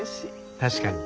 確かに。